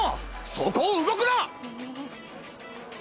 そこを動くな！